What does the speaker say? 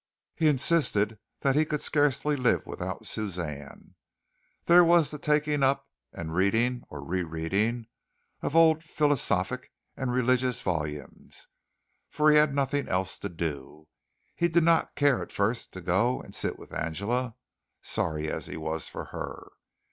He insisted that he could scarcely live without Suzanne. There was the taking up and reading or re reading of odd philosophic and religious volumes, for he had nothing else to do. He did not care at first to go and sit with Angela, sorry as he was for her.